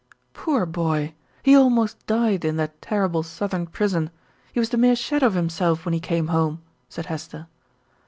"Poor boy! He almost died in that terrible southern prison. He was the mere shadow of himself when he came home," said Hester.